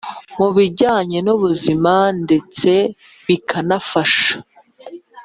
Mu bijyanye n ubuzima ndetse bikanafasha